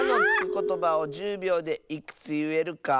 ことばを１０びょうでいくついえるか。